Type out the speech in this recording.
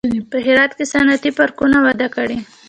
په هرات کې صنعتي پارکونه وده کړې